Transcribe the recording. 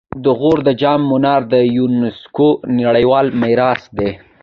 د غور د جام منار د یونسکو نړیوال میراث دی